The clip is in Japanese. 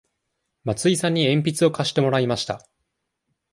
松井さんに鉛筆を貸してもらいました。